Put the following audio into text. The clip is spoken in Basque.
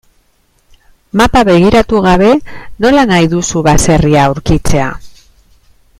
Mapa begiratu gabe nola nahi duzu baserria aurkitzea?